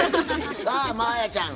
さあ真彩ちゃん